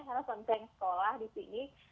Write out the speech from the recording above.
karena konten sekolah disini